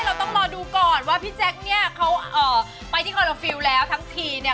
เราต้องรอดูก่อนว่าพี่แจ๊คเนี่ยเขาไปที่คอลโลฟิลแล้วทั้งทีเนี่ย